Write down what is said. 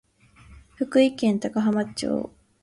福井県高浜町